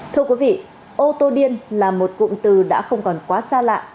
thưa quý vị ô tô điên là một cụm từ đã không còn quá xa lạ